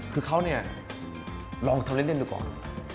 คือเขาเนี่ยลองทำเล่นดูก่อน